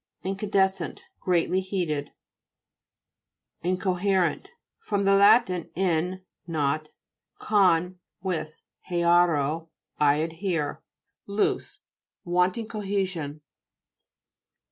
INCANDE'SCENT Greatly heated. INCOHE'RENT fr. lat. in, not, con, with, hsereo y I adhere. Loose, want ing cohesion.